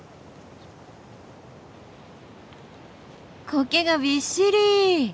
コケがびっしり。